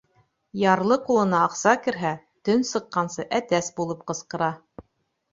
Ярлы ҡулына аҡса керһә, төн сыҡҡансы әтәс булып ҡысҡыра.